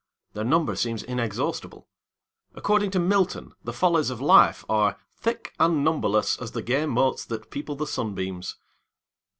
Their number seems inexhaustible. According to Milton, the follies of life are "Thick and numberless, As the gay motes that people the sunbeams."